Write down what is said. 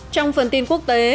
trong phần tin quốc tế